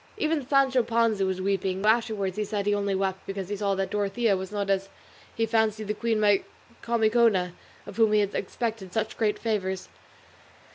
Even Sancho Panza was weeping; though afterwards he said he only wept because he saw that Dorothea was not as he fancied the queen Micomicona, of whom he expected such great favours.